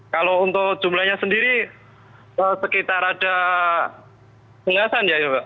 kalau untuk jumlahnya sendiri sekitar ada kelihatan ya